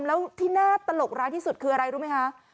แล้วที่น่าตลกร้ายที่สุดคืออะไรรู้ไหมคะ